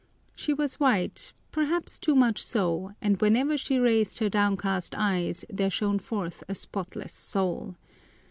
She was white, perhaps too much so, and whenever she raised her downcast eyes there shone forth a spotless soul.